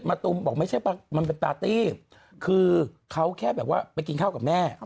ตุมบอกไม่ใช่มันเป็นปาร์ตี้คือเขาแค่แบบว่าไปกินข้าวกับแม่